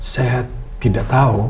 saya tidak tahu